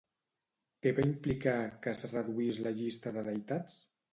Què va implicar que es reduís la llista de deïtats?